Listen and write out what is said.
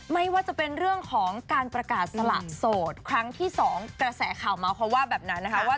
ไม่ว่าจะเป็นเรื่องของการประกาศสละสดครั้งที่สองกระแสข่อมาว่าแบบนั้นน่ะนะคะ